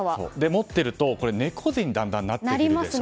持っていると猫背にだんだんなってくるでしょ。